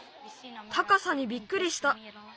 たかさにびっくりした。